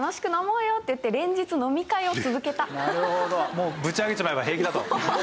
もうぶち上げちまえば平気だと。